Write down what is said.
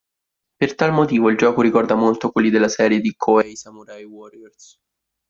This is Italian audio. Per tal motivo il gioco ricorda molto quelli della serie di koei Samurai Warriors.